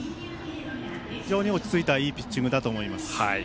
非常に落ち着いたいいピッチングだと思います。